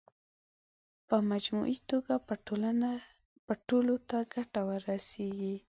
په مجموعي توګه به ټولو ته ګټه رسېږي.